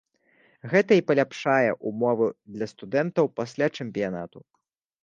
Гэта і паляпшае ўмовы для студэнтаў пасля чэмпіянату.